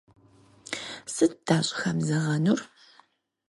Сыт дащӏыхэмызэгъэнур?